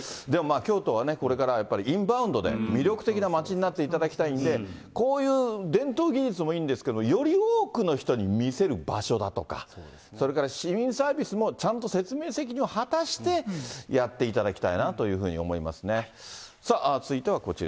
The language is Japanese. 京都はね、これからインバウンドで、魅力的な街になっていただきたいんで、こういう伝統技術もいいんですけど、より多くの人に見せる場所だとか、それから市民サービスもちゃんと説明責任を果たして、やっていただきたいなというふうに思いますね。